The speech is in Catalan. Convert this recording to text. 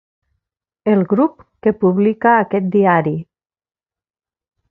El grup que publica aquest diari.